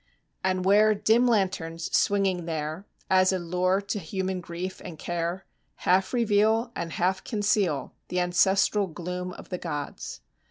And where dim lanterns, swinging there, As a lure to human grief and care, Half reveal and half conceal The ancestral gloom of the gods.